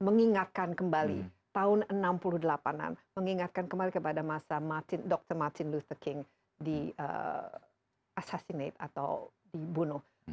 mengingatkan kembali tahun seribu sembilan ratus enam puluh delapan an mengingatkan kembali kepada masa dr martin lute king di assasinate atau dibunuh